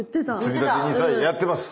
つみたてＮＩＳＡやってます。